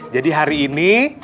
jadi hari ini